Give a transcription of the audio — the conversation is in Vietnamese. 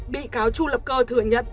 bị cáo chu lập cơ thừa nhận